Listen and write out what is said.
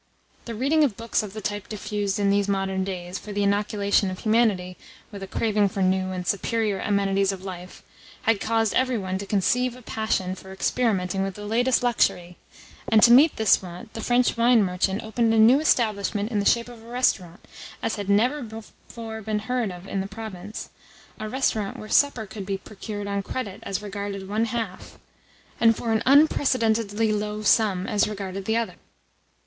The reading of books of the type diffused, in these modern days, for the inoculation of humanity with a craving for new and superior amenities of life had caused every one to conceive a passion for experimenting with the latest luxury; and to meet this want the French wine merchant opened a new establishment in the shape of a restaurant as had never before been heard of in the province a restaurant where supper could be procured on credit as regarded one half, and for an unprecedentedly low sum as regarded the other.